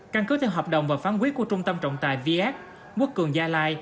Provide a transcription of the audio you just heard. căn cứ theo hợp đồng và phán quyết của trung tâm trọng tài viet quốc cường gia lai